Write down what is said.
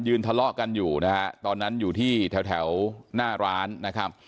ทะเลาะกันอยู่นะฮะตอนนั้นอยู่ที่แถวหน้าร้านนะครับ